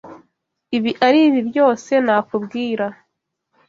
Ibi aribi byose nakubwira.